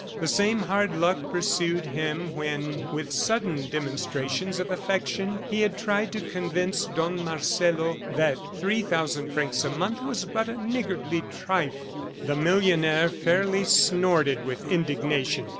The same hard luck pursued him when, with sudden demonstrations of affection, he had tried to convince Don Marcelo that three thousand francs a month was but a niggardly trifle. The millionaire fairly snorted with indignation.